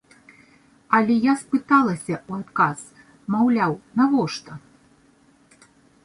Але я спыталася ў адказ, маўляў, навошта?